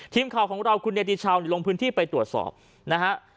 ทีมข่าวของเราคุณเนติชาวลงพื้นที่ไปตรวจสอบนะฮะ